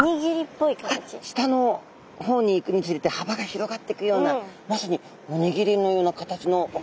下の方にいくにつれてはばが広がってくようなまさにおにぎりのような形のお顔ですね。